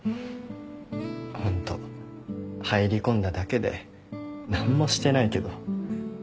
ホント入り込んだだけで何もしてないけど。